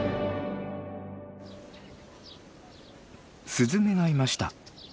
スズメがいました。